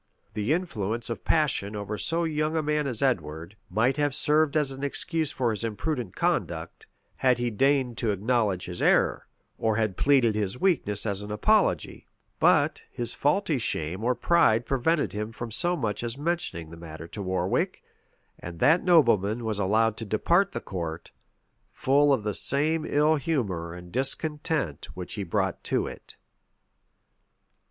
The influence of passion over so young a man as Edward, might have served as an excuse for his imprudent conduct, had he deigned to acknowledge his error, or had pleaded his weakness as an apology; but his faulty shame or pride prevented him from so much as mentioning the matter to Warwick; and that nobleman was allowed to depart the court, full of the same ill humor and discontent which he brought to it.